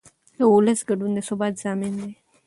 د ولس ګډون د ثبات ضامن دی